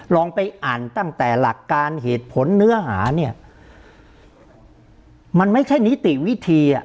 ลองไปอ่านตั้งแต่หลักการเหตุผลเนื้อหาเนี่ยมันไม่ใช่นิติวิธีอ่ะ